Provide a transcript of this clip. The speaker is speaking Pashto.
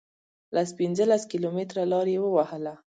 لس پنځلس کیلومتره لار یې ووهله.